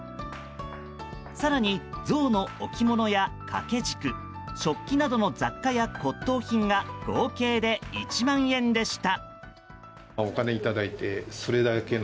更に、ゾウの置き物や掛け軸食器などの雑貨や骨董品が合計で１万円でした。